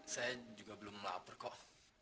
saya juga belum melapor kok